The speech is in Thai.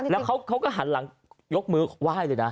แล้วเขาก็หันหลังยกมือไหว้เลยนะ